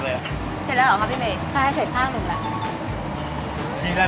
ขอบคุณครับ